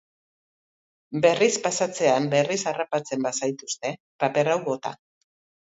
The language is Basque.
Berriz pasatzean berriz harrapatzen bazaituzte, paper hau bota.